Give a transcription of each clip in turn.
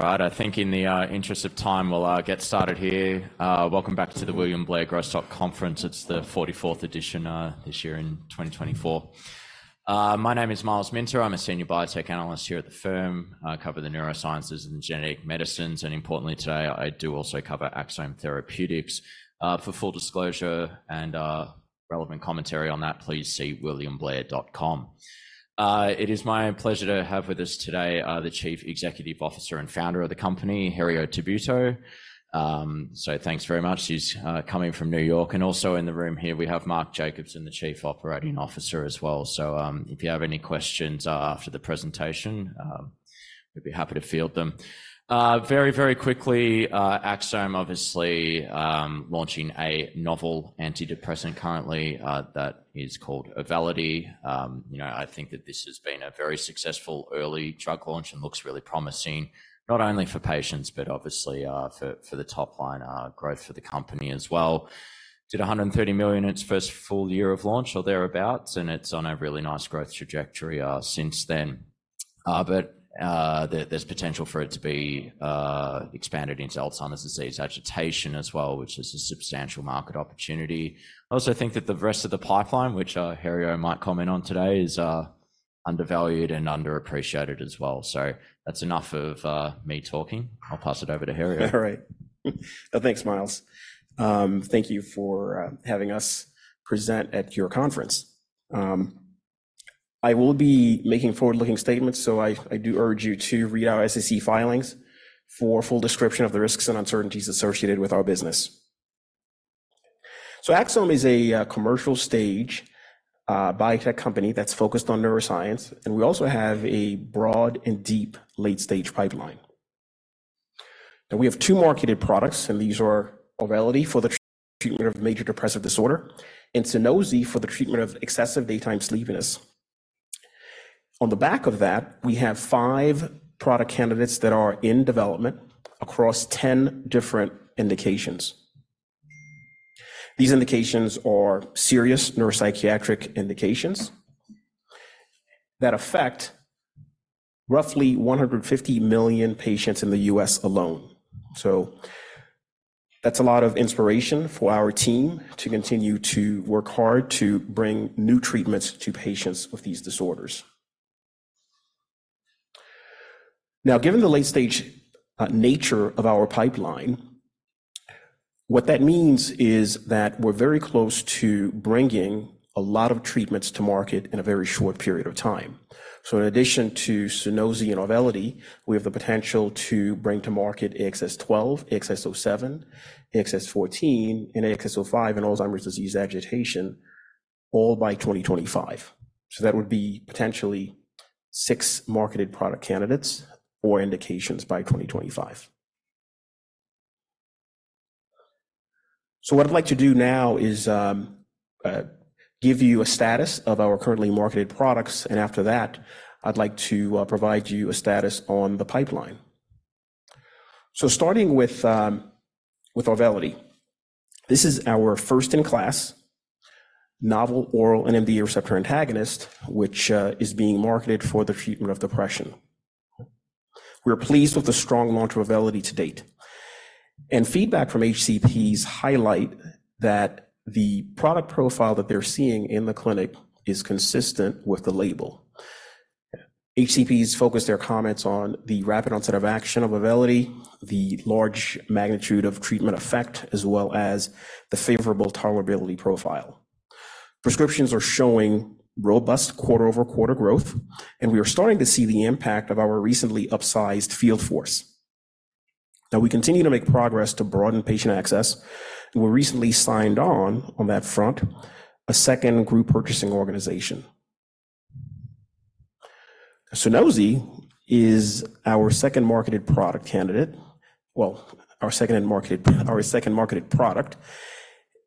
All right, I think in the interest of time, we'll get started here. Welcome back to the William Blair Growth Stock Conference. It's the 44th edition this year in 2024. My name is Myles Minter. I'm a senior biotech analyst here at the firm. I cover the neurosciences and genetic medicines, and importantly, today, I do also cover Axsome Therapeutics. For full disclosure and relevant commentary on that, please see williamblair.com. It is my pleasure to have with us today the Chief Executive Officer and founder of the company, Herriot Tabuteau. So thanks very much. He's coming from New York, and also in the room here, we have Mark Jacobson, the Chief Operating Officer as well. So, if you have any questions after the presentation, we'd be happy to field them. Very, very quickly, Axsome obviously launching a novel antidepressant currently that is called Auvelity. You know, I think that this has been a very successful early drug launch and looks really promising, not only for patients, but obviously for the top line growth for the company as well. Did $130 million in its first full year of launch or thereabouts, and it's on a really nice growth trajectory since then. But there's potential for it to be expanded into Alzheimer's disease agitation as well, which is a substantial market opportunity. I also think that the rest of the pipeline, which Herriot might comment on today, is undervalued and underappreciated as well. So that's enough of me talking. I'll pass it over to Herriot. All right. Thanks, Myles. Thank you for having us present at your conference. I will be making forward-looking statements, so I do urge you to read our SEC filings for a full description of the risks and uncertainties associated with our business. Axsome is a commercial stage biotech company that's focused on neuroscience, and we also have a broad and deep late-stage pipeline. We have two marketed products, and these are Auvelity for the treatment of major depressive disorder and Sunosi for the treatment of excessive daytime sleepiness. On the back of that, we have five product candidates that are in development across 10 different indications. These indications are serious neuropsychiatric indications that affect roughly 150 million patients in the U.S. alone. So that's a lot of inspiration for our team to continue to work hard to bring new treatments to patients with these disorders. Now, given the late-stage nature of our pipeline, what that means is that we're very close to bringing a lot of treatments to market in a very short period of time. So in addition to Sunosi and Auvelity, we have the potential to bring to market AXS-12, AXS-07, AXS-14, and AXS-05 in Alzheimer's disease agitation, all by 2025. So that would be potentially six marketed product candidates or indications by 2025. So what I'd like to do now is give you a status of our currently marketed products, and after that, I'd like to provide you a status on the pipeline. So starting with Auvelity. This is our first-in-class novel oral NMDA receptor antagonist, which is being marketed for the treatment of depression. We're pleased with the strong launch of Auvelity to date, and feedback from HCPs highlight that the product profile that they're seeing in the clinic is consistent with the label. HCPs focus their comments on the rapid onset of action of Auvelity, the large magnitude of treatment effect, as well as the favorable tolerability profile. Prescriptions are showing robust quarter-over-quarter growth, and we are starting to see the impact of our recently upsized field force. Now, we continue to make progress to broaden patient access, and we recently signed on, on that front, a second group purchasing organization. Sunosi is our second marketed product candidate... Well, our second in-market, our second marketed product,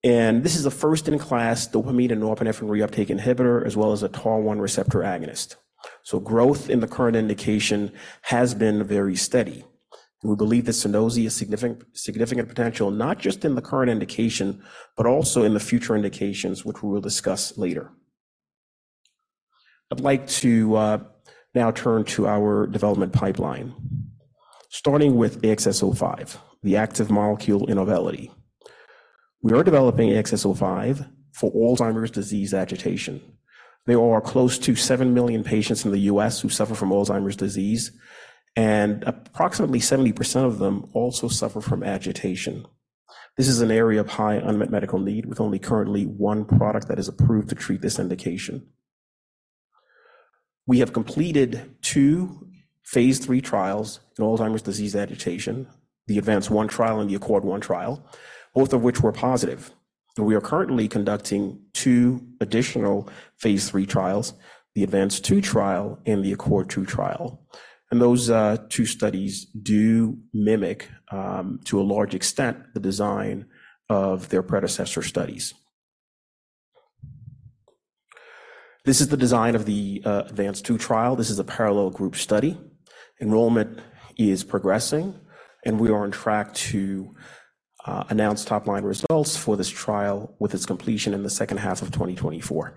and this is a first-in-class dopamine and norepinephrine reuptake inhibitor, as well as a TAAR1 receptor agonist. So growth in the current indication has been very steady. We believe that Sunosi has significant, significant potential, not just in the current indication, but also in the future indications, which we will discuss later. I'd like to now turn to our development pipeline, starting with AXS-05, the active molecule in Auvelity. We are developing AXS-05 for Alzheimer's disease agitation. There are close to seven million patients in the U.S. who suffer from Alzheimer's disease, and approximately 70% of them also suffer from agitation. This is an area of high unmet medical need, with only currently one product that is approved to treat this indication. We have completed two phase 3 trials in Alzheimer's disease agitation, the ADVANCE 1 trial and the ACCORD 1 trial, both of which were positive. We are currently conducting two additional phase 3 trials, the ADVANCE 2 trial and the ACCORD 2 trial, and those two studies do mimic to a large extent the design of their predecessor studies. This is the design of the ADVANCE 2 trial. This is a parallel group study. Enrollment is progressing, and we are on track to announce top-line results for this trial with its completion in H2 of 2024.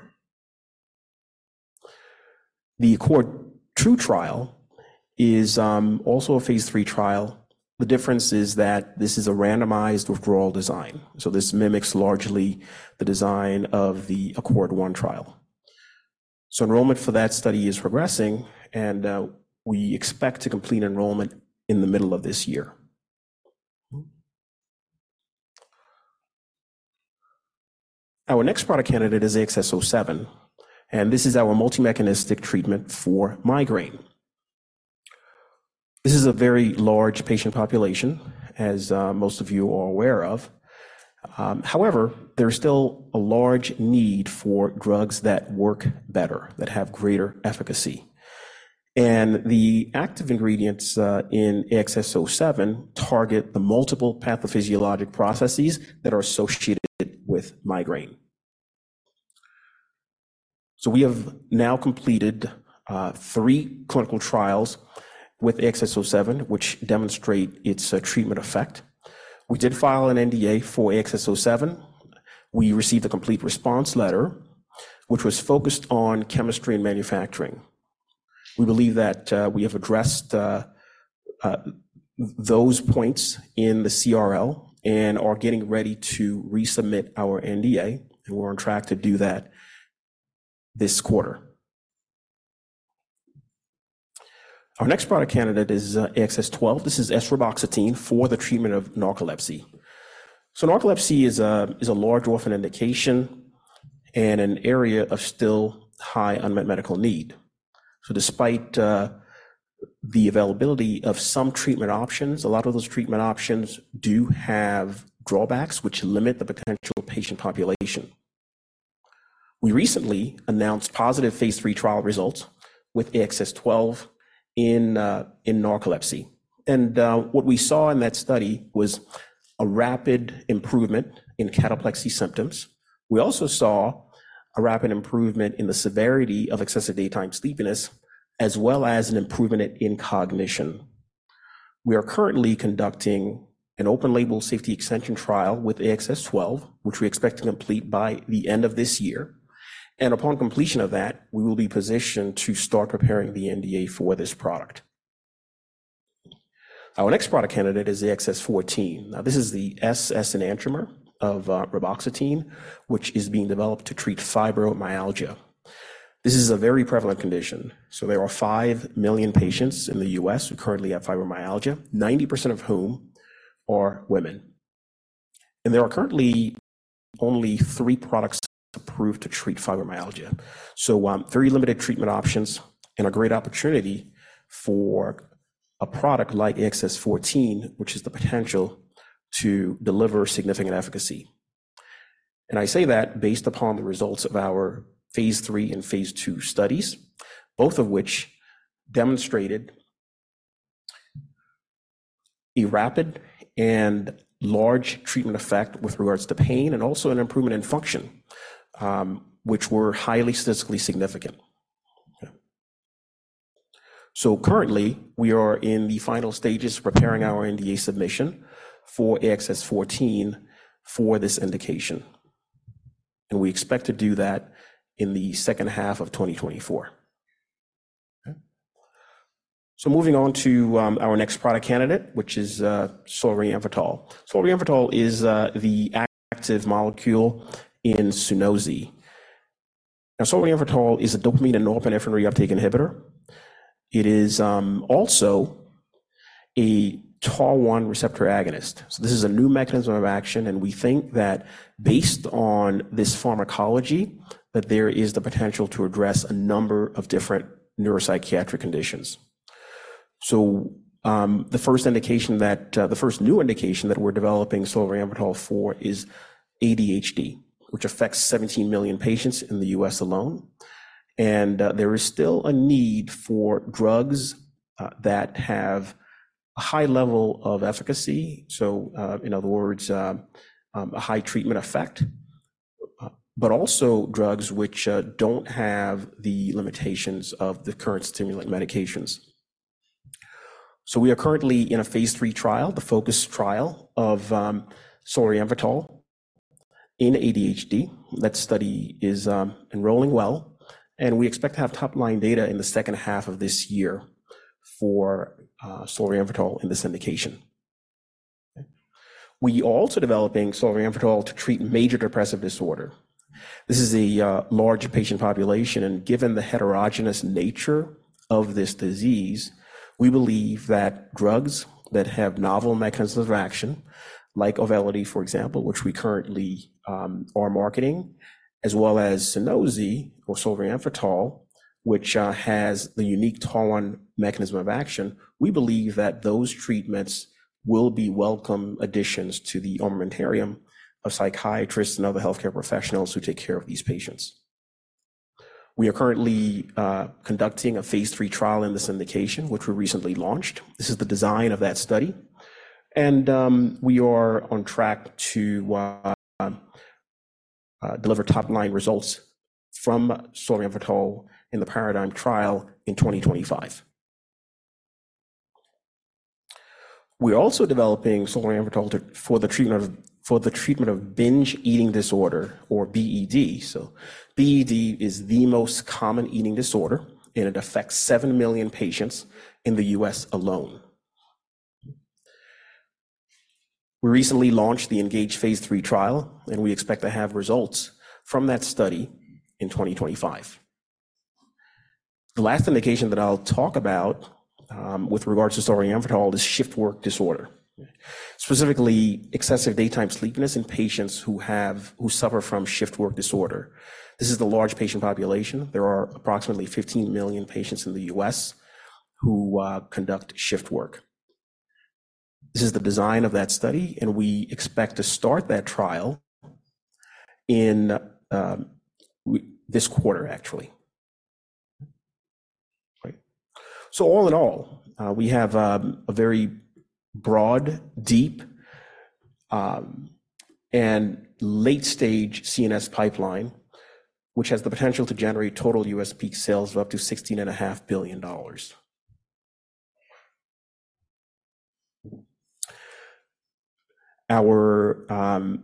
The ACCORD 2 trial is also a phase 3 trial. The difference is that this is a randomized withdrawal design, so this mimics largely the design of the ACCORD 1 trial. So enrollment for that study is progressing, and we expect to complete enrollment in the middle of this year. Our next product candidate is AXS-07, and this is our multi-mechanistic treatment for migraine. This is a very large patient population, as most of you are aware of. However, there's still a large need for drugs that work better, that have greater efficacy. And the active ingredients in AXS-07 target the multiple pathophysiologic processes that are associated with migraine. So we have now completed three clinical trials with AXS-07, which demonstrate its treatment effect. We did file an NDA for AXS-07. We received a complete response letter, which was focused on chemistry and manufacturing. We believe that we have addressed those points in the CRL and are getting ready to resubmit our NDA, and we're on track to do that this quarter. Our next product candidate is, AXS-12. This is reboxetine for the treatment of narcolepsy. So narcolepsy is a large orphan indication and an area of still high unmet medical need. So despite the availability of some treatment options, a lot of those treatment options do have drawbacks which limit the potential patient population. We recently announced positive phase 3 trial results with AXS-12 in narcolepsy, and what we saw in that study was a rapid improvement in cataplexy symptoms. We also saw a rapid improvement in the severity of excessive daytime sleepiness, as well as an improvement in cognition. We are currently conducting an open-label safety extension trial with AXS-12, which we expect to complete by the end of this year, and upon completion of that, we will be positioned to start preparing the NDA for this product. Our next product candidate is the AXS-14. Now, this is the S-enantiomer of reboxetine, which is being developed to treat fibromyalgia. This is a very prevalent condition. So there are five million patients in the U.S. who currently have fibromyalgia, 90% of whom are women, and there are currently only three products approved to treat fibromyalgia. So, very limited treatment options and a great opportunity for a product like AXS-14, which has the potential to deliver significant efficacy. And I say that based upon the results of our phase 3 and phase 2 studies, both of which demonstrated a rapid and large treatment effect with regards to pain, and also an improvement in function, which were highly statistically significant. So currently, we are in the final stages of preparing our NDA submission for AXS-14 for this indication, and we expect to do that in the second half of 2024. So moving on to our next product candidate, which is solriamfetol. Solriamfetol is the active molecule in Sunosi. Now, solriamfetol is a dopamine and norepinephrine reuptake inhibitor. It is also a TAAR1 receptor agonist. So this is a new mechanism of action, and we think that based on this pharmacology, that there is the potential to address a number of different neuropsychiatric conditions. So, the first indication that, the first new indication that we're developing solriamfetol for is ADHD, which affects 17 million patients in the U.S. alone, and, there is still a need for drugs, that have a high level of efficacy, so, in other words, a high treatment effect, but also drugs which, don't have the limitations of the current stimulant medications. So we are currently in a phase three trial, the FOCUS trial of, solriamfetol in ADHD. That study is, enrolling well, and we expect to have top-line data in the second half of this year for, solriamfetol in this indication. We also developing solriamfetol to treat major depressive disorder. This is a large patient population, and given the heterogeneous nature of this disease, we believe that drugs that have novel mechanisms of action, like Auvelity, for example, which we currently are marketing, as well as Sunosi or solriamfetol, which has the unique TAAR1 mechanism of action, we believe that those treatments will be welcome additions to the armamentarium of psychiatrists and other healthcare professionals who take care of these patients. We are currently conducting a phase 3 trial in this indication, which we recently launched. This is the design of that study, and we are on track to deliver top-line results from solriamfetol in the PARADIGM trial in 2025. We're also developing solriamfetol for the treatment of, for the treatment of binge eating disorder or BED. So BED is the most common eating disorder, and it affects seven million patients in the U.S. alone. We recently launched the ENGAGE phase III trial, and we expect to have results from that study in 2025. The last indication that I'll talk about with regards to solriamfetol is shift work disorder, specifically excessive daytime sleepiness in patients who suffer from shift work disorder. This is a large patient population. There are approximately 15 million patients in the U.S. who conduct shift work. This is the design of that study, and we expect to start that trial in this quarter, actually. Great. So all in all, we have a very broad, deep, and late-stage CNS pipeline, which has the potential to generate total U.S. peak sales of up to $16.5 billion. Our...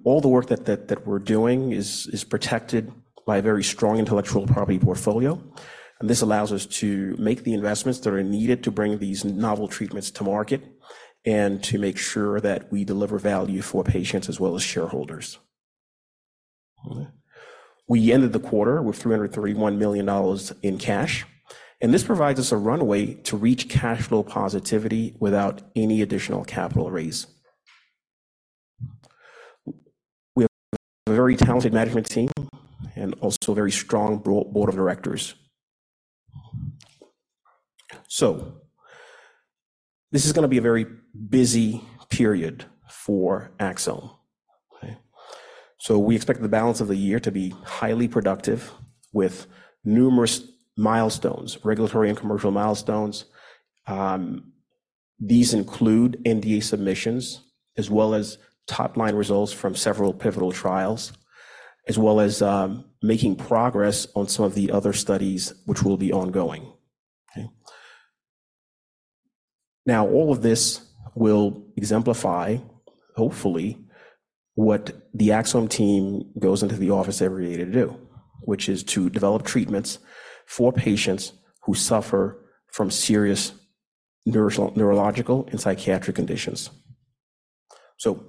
All the work that we're doing is protected by a very strong intellectual property portfolio, and this allows us to make the investments that are needed to bring these novel treatments to market and to make sure that we deliver value for patients as well as shareholders. We ended the quarter with $331 million in cash, and this provides us a runway to reach cash flow positivity without any additional capital raise. We have a very talented management team and also a very strong board of directors. So this is gonna be a very busy period for Axsome, okay? So we expect the balance of the year to be highly productive, with numerous milestones, regulatory and commercial milestones. These include NDA submissions, as well as top-line results from several pivotal trials, as well as making progress on some of the other studies which will be ongoing. Okay. Now, all of this will exemplify, hopefully, what the Axsome team goes into the office every day to do, which is to develop treatments for patients who suffer from serious neurological and psychiatric conditions. So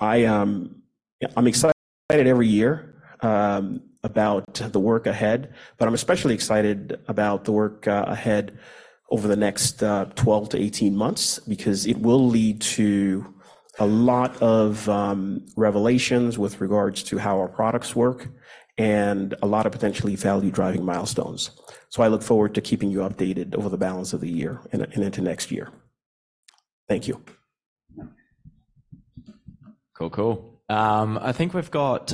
I, I'm excited every year about the work ahead, but I'm especially excited about the work ahead over the next 12-18 months because it will lead to a lot of revelations with regards to how our products work and a lot of potentially value-driving milestones. So I look forward to keeping you updated over the balance of the year and into next year. Thank you. Cool, cool. I think we've got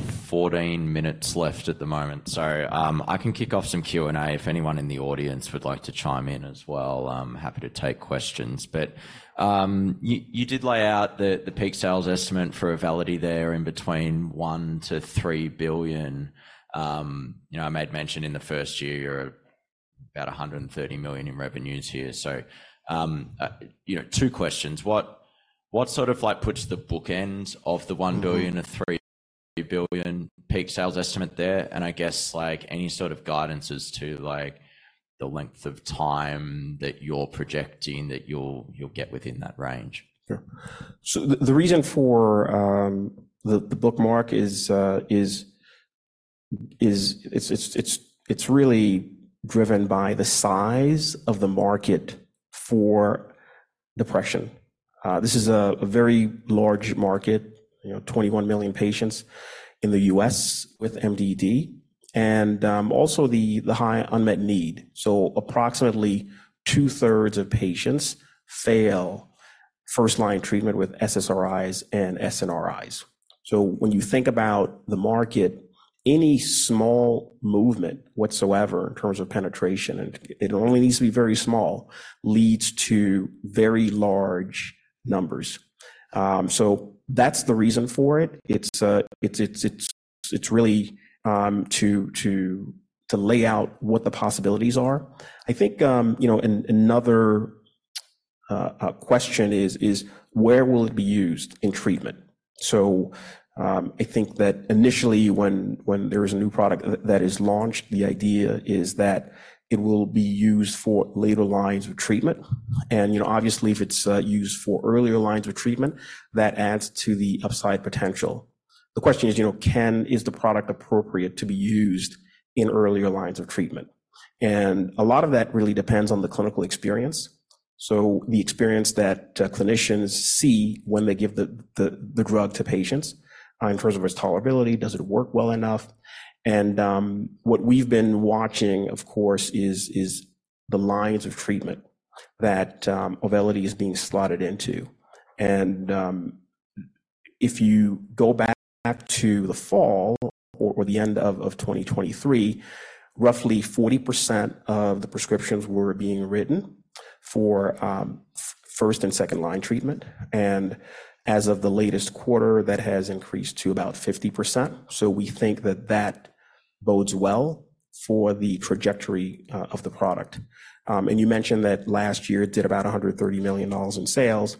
14 minutes left at the moment, so I can kick off some Q&A if anyone in the audience would like to chime in as well. I'm happy to take questions, but you, you did lay out the peak sales estimate for Auvelity there in between $1 -3 billion. You know, I made mention in the first year, you're at about $130 million in revenues here. So you know, two questions: What, what sort of, like, puts the bookend of the $1 billion- Mm-hmm... to $3 billion peak sales estimate there, and I guess, like, any sort of guidance as to, like, the length of time that you're projecting that you'll get within that range? Sure. So the reason for the bookmark is it's really driven by the size of the market for depression. This is a very large market, you know, 21 million patients in the U.S. with MDD, and also the high unmet need. So approximately two-thirds of patients fail first-line treatment with SSRIs and SNRIs. So when you think about the market, any small movement whatsoever in terms of penetration, and it only needs to be very small, leads to very large numbers. So that's the reason for it. It's really to lay out what the possibilities are. I think, you know, another question is where will it be used in treatment? So, I think that initially, when there is a new product that is launched, the idea is that it will be used for later lines of treatment, and, you know, obviously, if it's used for earlier lines of treatment, that adds to the upside potential. The question is, you know, is the product appropriate to be used in earlier lines of treatment? And a lot of that really depends on the clinical experience, so the experience that clinicians see when they give the drug to patients, in terms of its tolerability, does it work well enough? And, what we've been watching, of course, is the lines of treatment that Auvelity is being slotted into. If you go back to the fall or the end of 2023, roughly 40% of the prescriptions were being written for first- and second-line treatment, and as of the latest quarter, that has increased to about 50%. So we think that bodes well for the trajectory of the product. And you mentioned that last year it did about $130 million in sales.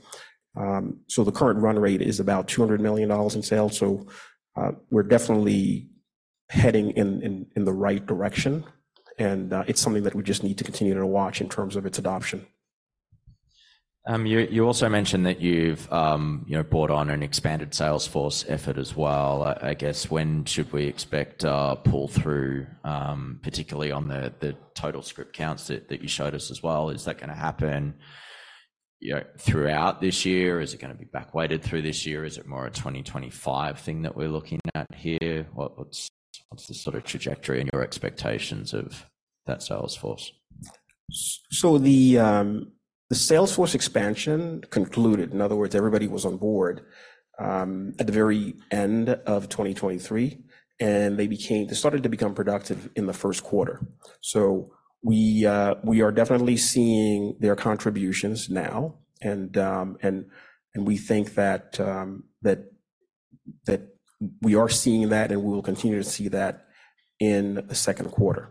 So the current run rate is about $200 million in sales. So we're definitely heading in the right direction, and it's something that we just need to continue to watch in terms of its adoption. You also mentioned that you've, you know, brought on an expanded sales force effort as well. I guess, when should we expect a pull-through, particularly on the total script counts that you showed us as well? Is that gonna happen, you know, throughout this year? Is it gonna be back-weighted through this year, or is it more a 2025 thing that we're looking at here? What's the sort of trajectory and your expectations of that sales force? So the sales force expansion concluded, in other words, everybody was on board, at the very end of 2023, and they became, they started to become productive in the first quarter. So we are definitely seeing their contributions now, and, and we think that, that we are seeing that, and we will continue to see that in the second quarter.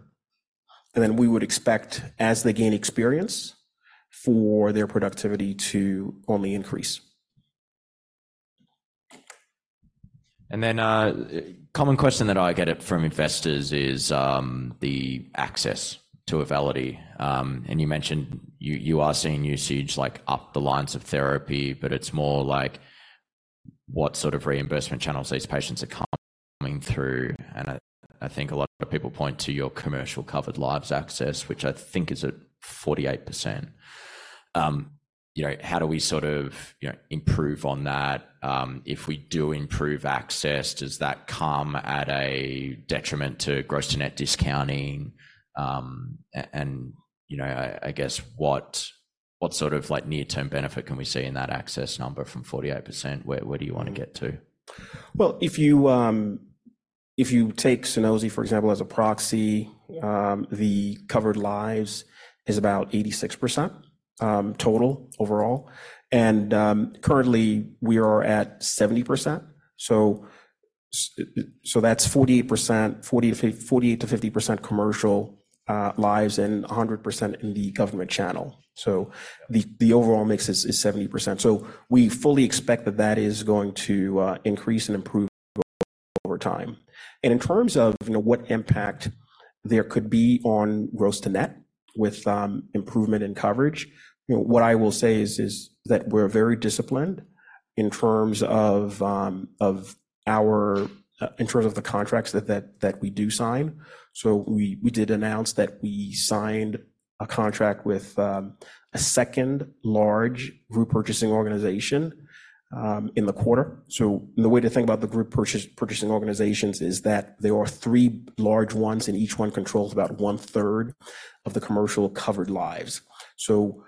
And then we would expect, as they gain experience, for their productivity to only increase. And then, a common question that I get from investors is the access to Auvelity. And you mentioned you are seeing usage like up the lines of therapy, but it's more like what sort of reimbursement channels these patients are coming through. And I think a lot of people point to your commercial covered lives access, which I think is at 48%. You know, how do we sort of, you know, improve on that? If we do improve access, does that come at a detriment to gross to net discounting? And, you know, I guess, what sort of like near-term benefit can we see in that access number from 48%? Where do you want to get to? Well, if you take Sunosi, for example, as a proxy, the covered lives is about 86%, total overall, and currently, we are at 70%. So, so that's 48%, 48%-50% commercial lives, and 100% in the government channel. So the overall mix is 70%. So we fully expect that that is going to increase and improve over time. And in terms of, you know, what impact there could be on gross to net with improvement in coverage, you know, what I will say is that we're very disciplined in terms of our in terms of the contracts that we do sign. So we did announce that we signed a contract with a second large group purchasing organization in the quarter. So the way to think about the group purchasing organizations is that there are three large ones, and each one controls about one-third of the commercial covered lives. So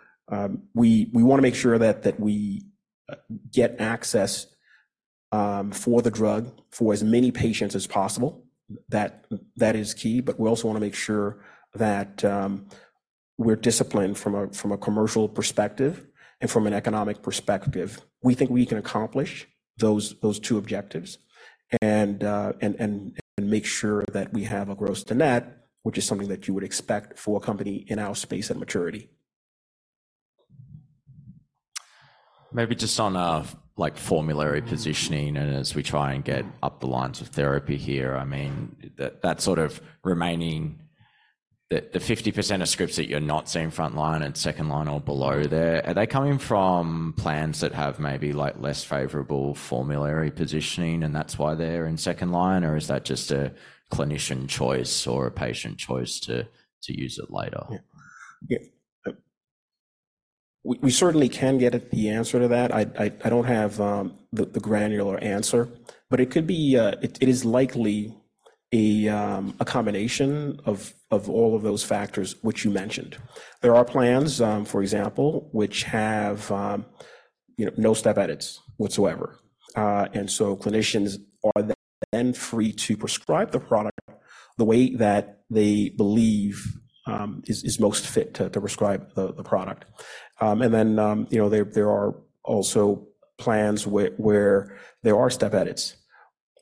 we wanna make sure that we get access for the drug for as many patients as possible. That is key, but we also wanna make sure that we're disciplined from a commercial perspective and from an economic perspective. We think we can accomplish those two objectives and make sure that we have a gross to net, which is something that you would expect for a company in our space at maturity. Maybe just on, like, formulary positioning, and as we try and get up the lines of therapy here, I mean, that sort of remaining... The 50% of scripts that you're not seeing frontline and second line or below there, are they coming from plans that have maybe, like, less favorable formulary positioning, and that's why they're in second line? Or is that just a clinician choice or a patient choice to use it later? Yeah. Yeah, we certainly can get at the answer to that. I don't have the granular answer, but it could be... It is likely a combination of all of those factors which you mentioned. There are plans, for example, which have, you know, no step edits whatsoever, and so clinicians are then free to prescribe the product the way that they believe is most fit to prescribe the product. And then, you know, there are also plans where there are step edits.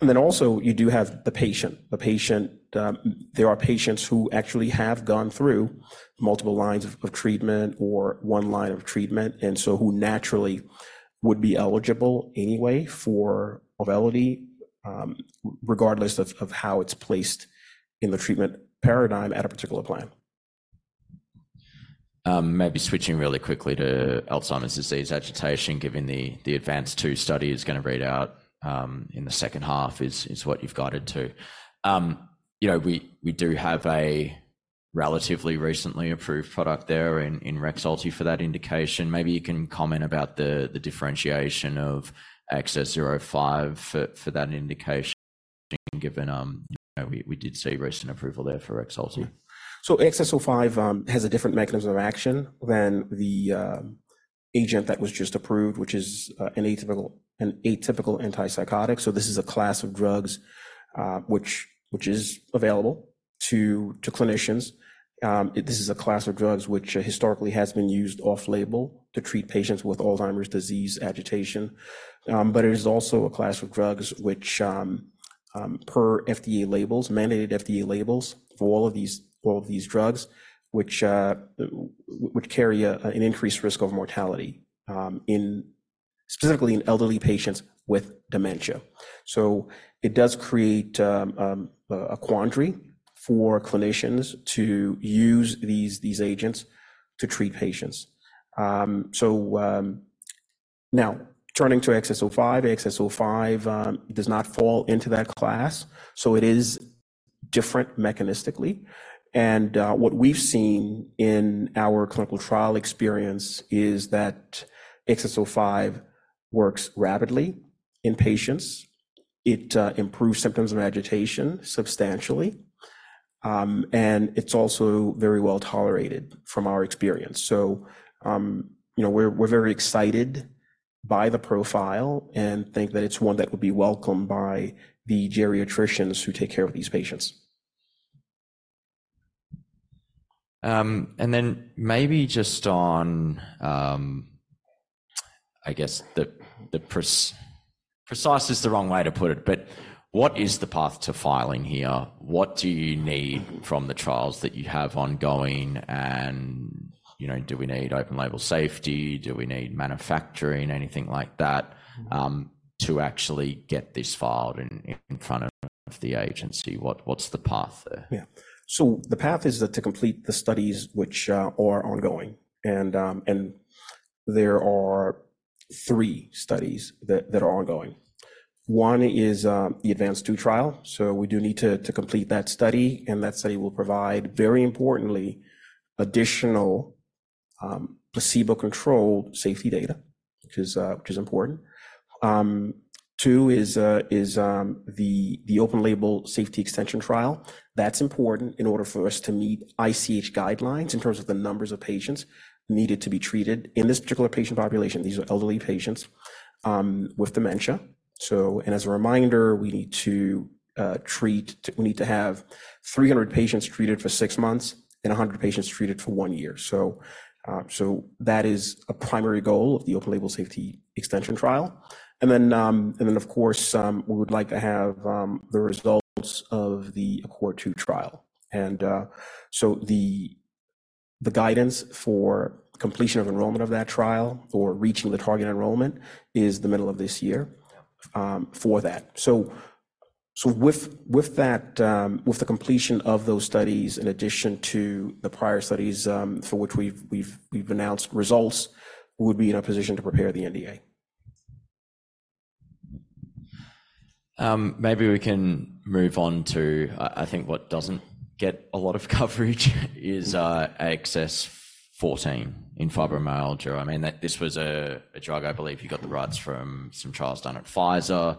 And then also, you do have the patient. The patient, there are patients who actually have gone through multiple lines of treatment or one line of treatment, and so who naturally would be eligible anyway for Auvelity, regardless of how it's placed in the treatment paradigm at a particular plan. Maybe switching really quickly to Alzheimer's disease agitation, given the ADVANCE 2 study is gonna read out in the second half, is what you've guided to. You know, we do have a relatively recently approved product there in Rexulti for that indication. Maybe you can comment about the differentiation of AXS-05 for that indication, given you know, we did see recent approval there for Rexulti. So AXS-05 has a different mechanism of action than the agent that was just approved, which is an atypical antipsychotic. So this is a class of drugs which is available to clinicians. This is a class of drugs which historically has been used off-label to treat patients with Alzheimer's disease agitation. But it is also a class of drugs which per FDA labels mandated FDA labels for all of these drugs which carry an increased risk of mortality in specifically elderly patients with dementia. So it does create a quandary for clinicians to use these agents to treat patients. So now turning to AXS-05, AXS-05 does not fall into that class, so it is different mechanistically. What we've seen in our clinical trial experience is that AXS-05 works rapidly in patients. It improves symptoms of agitation substantially, and it's also very well-tolerated from our experience. So, you know, we're very excited by the profile and think that it's one that would be welcomed by the geriatricians who take care of these patients. And then maybe just on, I guess, precise is the wrong way to put it, but what is the path to filing here? What do you need from the trials that you have ongoing, and, you know, do we need open label safety? Do we need manufacturing, anything like that, to actually get this filed in front of the agency? What's the path there? Yeah. So the path is to complete the studies which are ongoing. And there are three studies that are ongoing. One is the ADVANCE 2 trial, so we do need to complete that study, and that study will provide, very importantly, additional placebo-controlled safety data, which is important. Two is the open label safety extension trial. That's important in order for us to meet ICH guidelines in terms of the numbers of patients needed to be treated in this particular patient population. These are elderly patients with dementia. So, as a reminder, we need to have 300 patients treated for six months and 100 patients treated for one year. So that is a primary goal of the open label safety extension trial. And then, and then, of course, we would like to have the results of the ACCORD 2 trial. And, so the guidance for completion of enrollment of that trial or reaching the target enrollment is the middle of this year, for that. So, with that, with the completion of those studies, in addition to the prior studies, for which we've announced results, we would be in a position to prepare the NDA. Maybe we can move on to... I think what doesn't get a lot of coverage is AXS-14 in fibromyalgia. I mean, that this was a drug, I believe you got the rights from some trials done at Pfizer.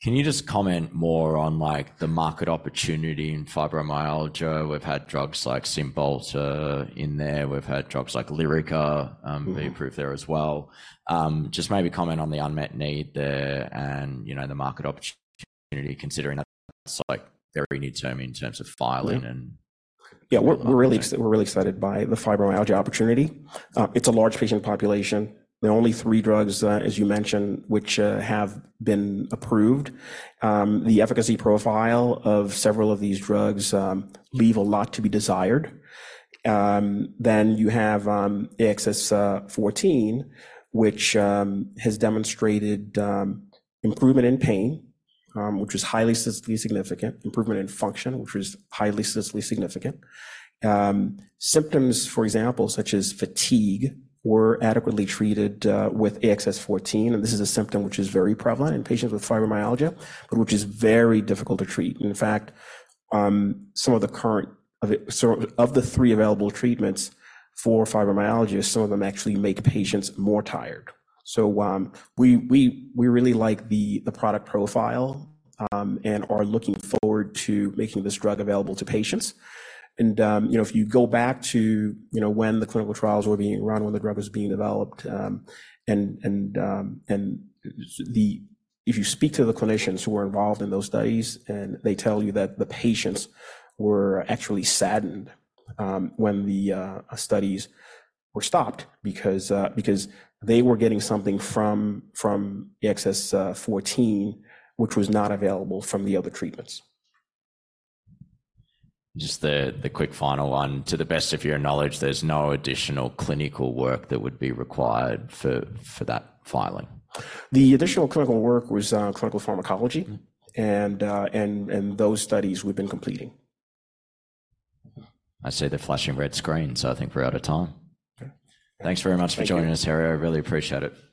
Can you just comment more on, like, the market opportunity in fibromyalgia? We've had drugs like Cymbalta in there, we've had drugs like Lyrica- Mm-hmm... being approved there as well. Just maybe comment on the unmet need there and, you know, the market opportunity, considering that's, like, very new to me in terms of filing and- Yeah, we're really excited by the fibromyalgia opportunity. It's a large patient population. There are only three drugs, as you mentioned, which have been approved. The efficacy profile of several of these drugs leave a lot to be desired. Then you have AXS-14, which has demonstrated improvement in pain, which is highly statistically significant, improvement in function, which is highly statistically significant. Symptoms, for example, such as fatigue, were adequately treated with AXS-14, and this is a symptom which is very prevalent in patients with fibromyalgia, but which is very difficult to treat. And in fact, some of the current, so of the three available treatments for fibromyalgia, some of them actually make patients more tired. So, we really like the product profile, and are looking forward to making this drug available to patients. You know, if you go back to, you know, when the clinical trials were being run, when the drug was being developed, and the If you speak to the clinicians who were involved in those studies, and they tell you that the patients were actually saddened, when the studies were stopped because they were getting something from AXS-14, which was not available from the other treatments. Just the quick final one. To the best of your knowledge, there's no additional clinical work that would be required for that filing? The additional clinical work was, clinical pharmacology. Mm-hmm. And those studies we've been completing. I see the flashing red screen, so I think we're out of time. Okay. Thanks very much for joining us, Herriot. Thank you. I really appreciate it.